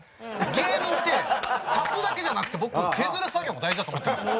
芸人って足すだけじゃなくて僕削る作業も大事だと思ってるんですよ。